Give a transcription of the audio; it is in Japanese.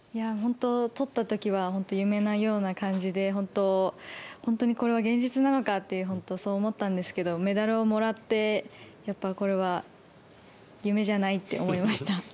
本当取ったときは夢のような感じで本当にこれは現実なのかと本当そう思ったんですがメダルをもらってやっぱ、これは夢じゃないってて思いました。